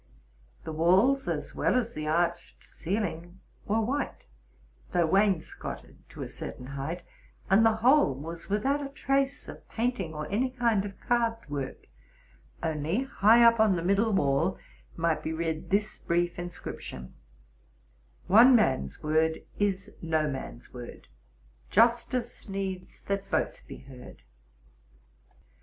The walls as well as the arched ceiling were white, though wainscoted to a certain height ; and the whole was withont a trace of painting, or any kind of carved work ; only, high up on the middle wall, might be read this brief inscri ption :—: One man's word is no man's word: Justice needs that both be heard.